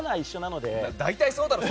大体そうだろ。